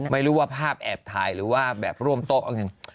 ไม่รู้ว่าภาพแอบถ่ายหรือว่าแบบร่วมโต๊ะเอาเงิน